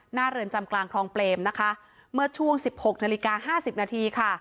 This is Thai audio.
เรือนจำกลางคลองเปรมนะคะเมื่อช่วงสิบหกนาฬิกาห้าสิบนาทีค่ะ